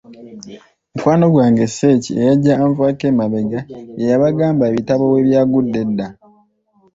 Mukwano gwange Sseeki eyajja anvaako emabega ye yabagamba ebitalo bwe byagudde edda.